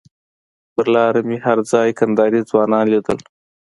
پر لاره مې هر ځای کندهاري ځوانان لیدل.